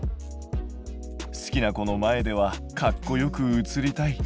好きな子の前ではかっこよく写りたい。